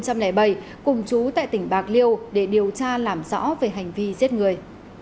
cùng chú tại tỉnh bạc liêu để điều tra làm rõ về hành vi giết người